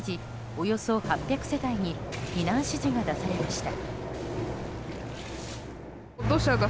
およそ８００世帯に避難指示が出されました。